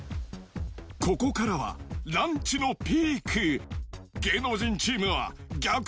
ここからは、ランチのピーク。